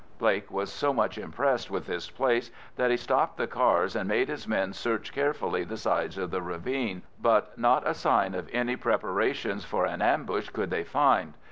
Blake was so much impressed with this place that he stopped the cars and made his men search carefully the sides of the ravine, but not a sign of any preparations for an ambush could they find.